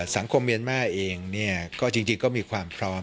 สังคมเมียนมาร์เองก็จริงก็มีความพร้อม